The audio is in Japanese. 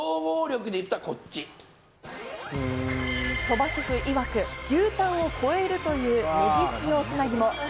鳥羽シェフいわく、牛タンを超えるというねぎ塩砂肝。